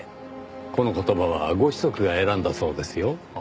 この言葉はご子息が選んだそうですよ。